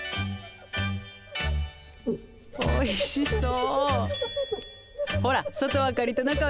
おいしそう。